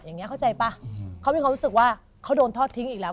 อย่างนี้เข้าใจป่ะเขามีความรู้สึกว่าเขาโดนทอดทิ้งอีกแล้ว